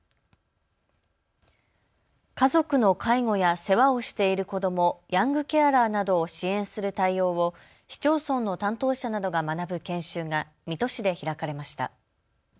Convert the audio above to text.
家族の介護や世話をしている子ども、ヤングケアラーなどを支援する対応を市町村の担当者などが学ぶ研修が水戸市で開かれました。